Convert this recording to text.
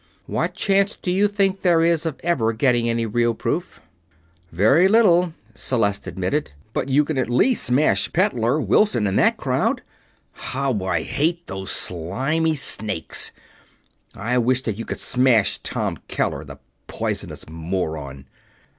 What chance do you think there is of ever getting any real proof?" "Very little," Celeste admitted. "But you can at least smash Pettler, Wilson, and that crowd. How I hate those slimy snakes! I wish that you could smash Tom Keller, the poisonous moron!"